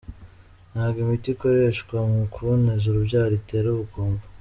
Ntabwo imiti ikoreshwa mu kuboneza urubyaro itera ubugumba.